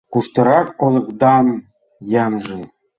Куштырак олыкдан ямже?